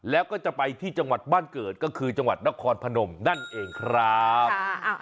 แล้วก็จะไปที่จังหวัดบ้านเกิดก็คือจังหวัดนครพนมนั่นเองครับ